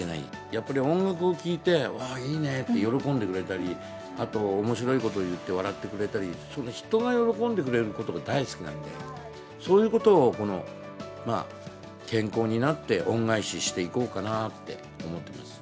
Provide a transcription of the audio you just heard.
やっぱり音楽を聴いて、わー、いいねって喜んでくれたり、あと、おもしろいことを言って笑ってくれたり、人が喜んでくれることが大好きなんで、そういうことを、健康になって、恩返ししていこうかなって思ってます。